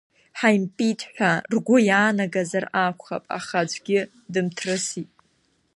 Ҳаимпит ҳәа ргәы иаанагазар акәхап, аха аӡәгьы дымҭрысит.